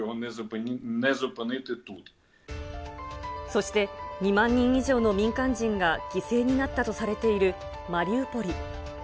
そして、２万人以上の民間人が犠牲になったとされているマリウポリ。